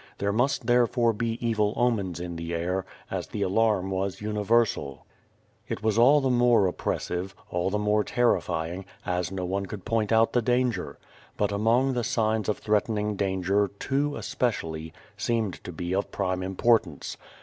There must therefore be evil omens in the air, as the alarm was universal. It was all the more oppressive, all the more terrifying, as no one could point out the danger. But among the signs of threatening danger, two, especially, seemed to be of prime importance.